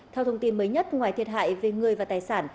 theo thông tin mới nhất ngoài thiệt hại về người và tài sản